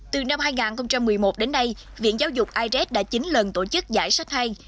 từ năm hai nghìn một mươi một đến nay viện giáo dục ires đã chín lần tổ chức giải sách hay